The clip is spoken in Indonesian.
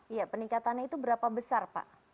iya peningkatannya itu berapa besar pak